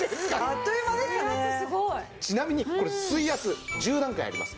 ちなみにこれ水圧１０段階あります。